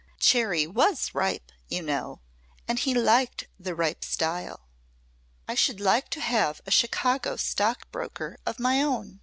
Cherry was ripe, you know, and he liked the ripe style. I should like to have a Chicago stockbroker of my own.